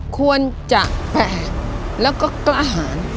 ควรจะแปลกแล้วก็กล้าหาร